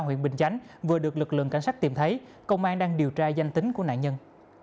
huyện bình chánh vừa được lực lượng cảnh sát tìm thấy công an đang điều tra danh tính của nạn nhân